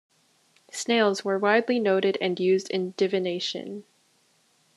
Snails were widely noted and used in divination.